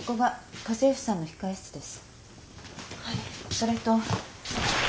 それと。